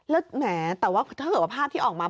แล้วแหมแต่ว่าถ้าเกิดว่าภาพที่ออกมา